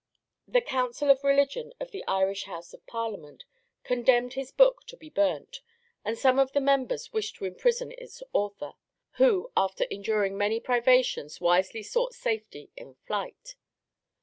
The Council of Religion of the Irish House of Parliament condemned his book to be burnt, and some of the members wished to imprison its author, who after enduring many privations wisely sought safety in flight.